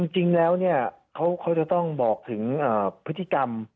จริงแล้วเขาจะต้องบอกถึงพฤติกรรม